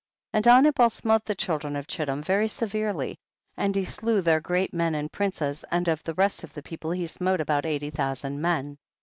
22. And Anibal smote the children of Chittim very severely, and he slew their great men and princes, and of the rest of the people he smote about eighty thousand men.